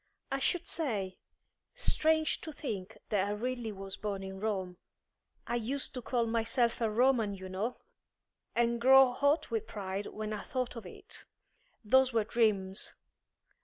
I should say? Strange to think that I really was born in Rome. I used to call myself a Roman, you know, and grow hot with pride when I thought of it. Those were dreams.